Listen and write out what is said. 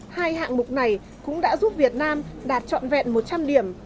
hai hạng mục này cũng đã giúp việt nam đạt trọn vẹn một trăm linh điểm